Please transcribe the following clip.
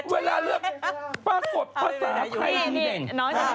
เวลาเลือกปรากฏภาษาไทยนี่